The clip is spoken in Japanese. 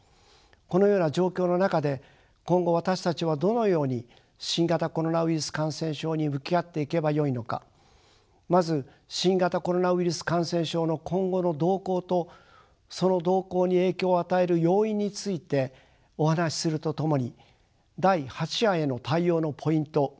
このような状況の中で今後私たちはどのように新型コロナウイルス感染症に向き合っていけばよいのかまず新型コロナウイルス感染症の今後の動向とその動向に影響を与える要因についてお話しするとともに第８波への対応のポイント